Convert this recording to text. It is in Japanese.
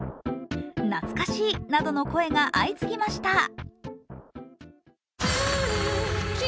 懐かしいなどの声が相次ぎました。